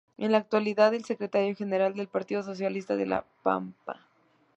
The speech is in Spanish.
Es en la actualidad Secretario General del Partido Socialista de La Pampa.